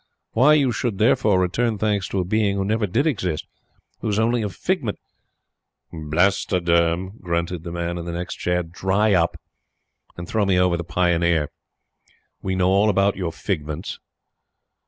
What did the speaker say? Why you should, therefore, return thanks to a Being who never did exist who is only a figment " "Blastoderm," grunted the man in the next chair, "dry up, and throw me over the Pioneer. We know all about your figments."